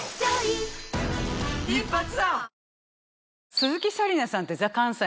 鈴木紗理奈さんって。